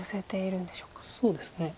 そうですね。